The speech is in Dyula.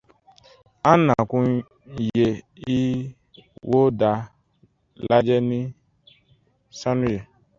An nɛnkun ye Iwo da lajɛ ni sanu ye.